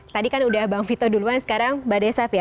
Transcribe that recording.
tadi kan udah bang vito duluan sekarang mbak desaf ya